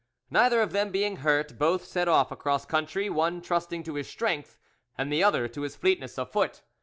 Neither of them being hurt, both set off across country, one trusting to his strength and the other to his fleetness of foot.